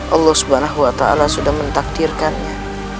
allah swt sudah mentakdirkannya